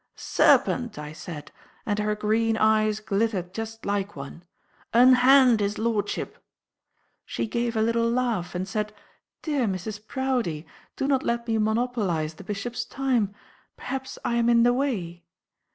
"Serpent!" I said—and her green eyes glittered just like one—"unhand his lordship!" She gave a little laugh and said, "Dear Mrs. Proudie, do not let me monopolise the Bishop's time. Perhaps I am in the way?"